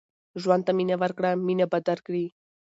ژوند ته مینه ورکړه مینه به درکړي